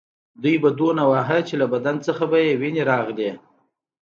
دوی به دومره واهه چې له بدن به یې وینې راغلې